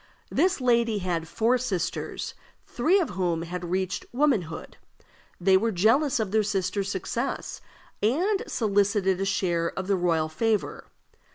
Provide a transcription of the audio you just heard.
This lady had four sisters, three of whom had reached womanhood. They were jealous of their sister's success, and solicited a share of the royal favor.